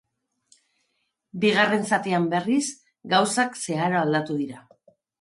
Bigarren zatian, berriz, gauzak zeharo aldatu dira.